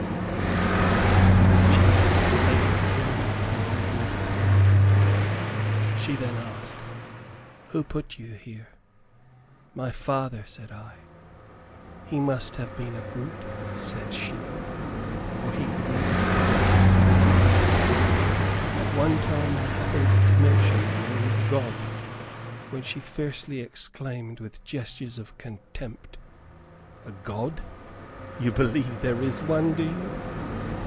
I suppose she meant that they would kill me as they would a dog. She then asked, "Who put you here?" "My Father," said I. "He must have been a brute," said she, "or he never could have done it." At one time I happened to mention the name of God, when she fiercely exclaimed with gestures of contempt, "A God! You believe there is one, do you?